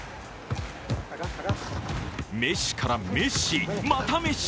メッシからメッシ、またメッシ！